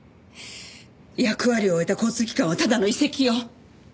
役割を終えた交通機関はただの遺跡よ。